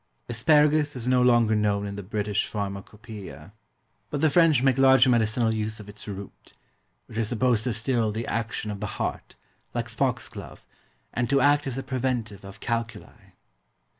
Asparagus is no longer known in the British pharmacopoeia, but the French make large medicinal use of its root, which is supposed to still the action of the heart, like foxglove, and to act as a preventive of calculi.